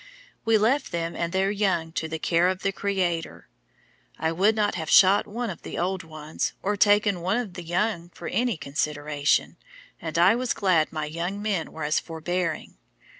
We left them and their young to the care of the Creator. I would not have shot one of the old ones, or taken one of the young for any consideration, and I was glad my young men were as forbearing.